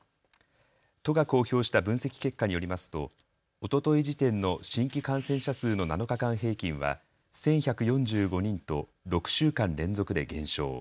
都が公表した分析結果によりますと、おととい時点の新規感染者数の７日間平均は１１４５人と６週間連続で減少。